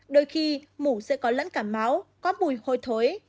đôi khi mũ sẽ có lẫn cả máu có mùi hôi thối